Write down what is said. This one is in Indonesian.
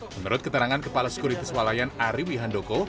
menurut keterangan kepala sekuriti swalayan ari wihandoko